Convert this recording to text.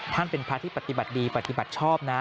เป็นพระที่ปฏิบัติดีปฏิบัติชอบนะ